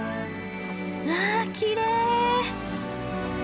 わあきれい！